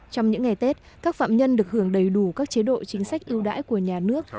trong những ngày tết các phạm nhân được hưởng đầy đủ các chế độ chính sách ưu đãi của nhà nước